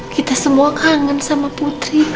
kita semua kangen sama putri